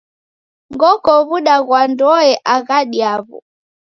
Ghoko w'uda ghwa ndoe aghadi yaw'o.